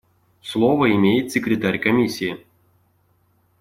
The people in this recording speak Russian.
Слово имеет Секретарь Комиссии.